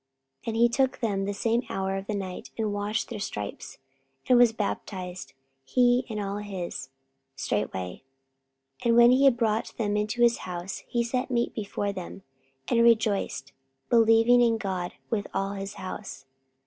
44:016:033 And he took them the same hour of the night, and washed their stripes; and was baptized, he and all his, straightway. 44:016:034 And when he had brought them into his house, he set meat before them, and rejoiced, believing in God with all his house.